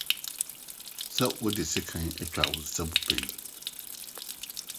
So wode sekan atwa wo nsa mu pɛn?